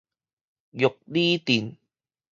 玉里鎮